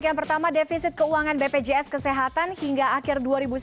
yang pertama defisit keuangan bpjs kesehatan hingga akhir dua ribu sembilan belas